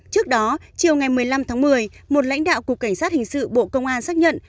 trước đó chiều ngày một mươi năm tháng một mươi một lãnh đạo cục cảnh sát hình sự bộ công an xác nhận